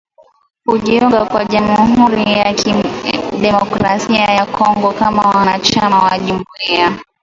kujiunga kwa jamuhuri ya kidemokrasia ya Kongo kama mwanachama wa jumuiya